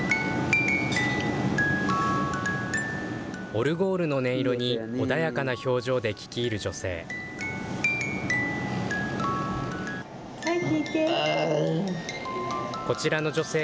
オルゴールの音色に、穏やかな表情で聞き入る女性。